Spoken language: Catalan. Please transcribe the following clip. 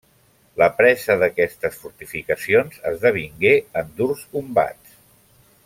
La presa d'aquestes fortificacions esdevingué en durs combats.